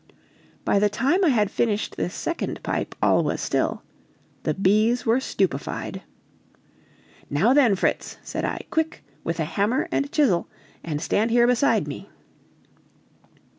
By the time I had finished this second pipe all was still; the bees were stupefied. "Now then, Fritz," said I, "quick, with a hammer and chisel, and stand here beside me."